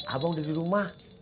abang udah di rumah